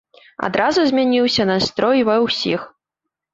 Адразу змяніўся настрой ва ўсіх.